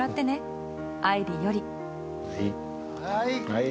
はい。